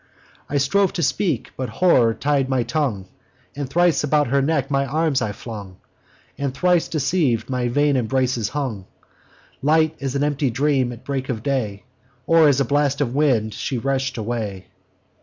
I strove to speak: but horror tied my tongue; And thrice about her neck my arms I flung, And, thrice deceiv'd, on vain embraces hung. Light as an empty dream at break of day, Or as a blast of wind, she rush'd away.